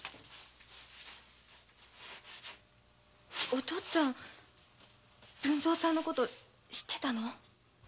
お父っつぁん文三さんのこと知ってたの？